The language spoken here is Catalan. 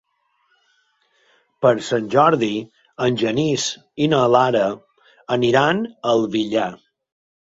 Per Sant Jordi en Genís i na Lara aniran al Villar.